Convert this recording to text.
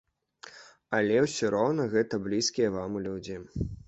Але ўсё роўна гэта блізкія вам людзі.